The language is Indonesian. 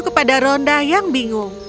kepada rhonda yang bingung